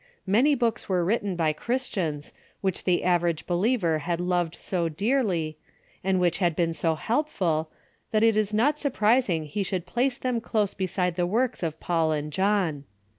Many books were written by Christians which the average believer had loved so dearly, and which had been so helpful, that it is not surprising he should place them close beside the works of Paul and John.